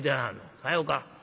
さようか。